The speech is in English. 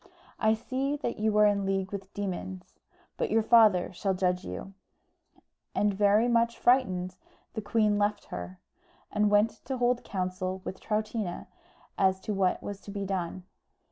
"I see that you are in league with demons; but your father shall judge you;" and, very much frightened, the queen left her, and went to hold counsel with Troutina as to what was to be done.